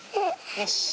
よし。